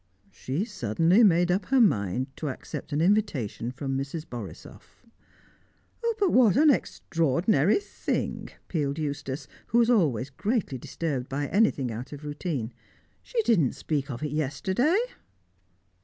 "She suddenly made up her mind to accept an invitation from Mrs. Borisoff." "But what an extraordinary thing!" pealed Eustace, who was always greatly disturbed by anything out of routine. "She didn't speak of it yesterday!"